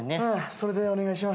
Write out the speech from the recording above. それでお願いします。